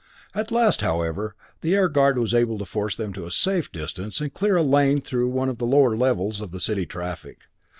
At last, however, the Air Guard was able to force them to a safe distance and clear a lane through one of the lower levels of the city traffic.